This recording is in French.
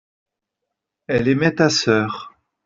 elle aimait ta sœur.